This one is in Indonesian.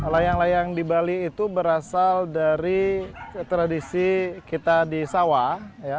layang layang di bali itu berasal dari tradisi kita di sawah